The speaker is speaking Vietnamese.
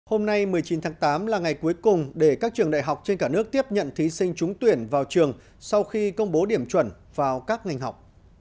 hôm nay một mươi chín tháng tám là ngày cuối cùng để các trường đại học trên cả nước tiếp nhận thí sinh trúng tuyển vào trường sau khi công bố điểm chuẩn vào các ngành học